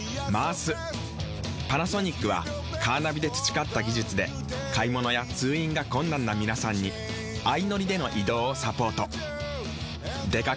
パナソニックはカーナビで培った技術で買物や通院が困難な皆さんに相乗りでの移動をサポート。